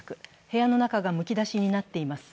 部屋の中がむき出しになっています。